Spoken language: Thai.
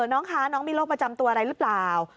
น้องคะน้องมีโรคประจำตัวอะไรหรือเปล่า